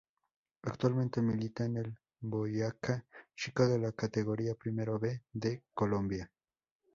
Actualmente milita en el Boyacá Chicó de la Categoría Primera B de Colombia.